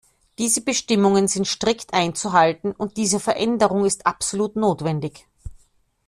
Diese Bestimmungen sind strikt einzuhalten, und diese Veränderung ist absolut notwendig.